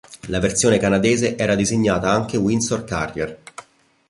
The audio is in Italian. La versione canadese era designata anche "Windsor Carrier".